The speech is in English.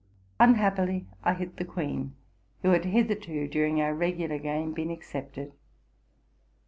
Unhappily I hit the queen, who had hitherto, during our regular game, been excepted.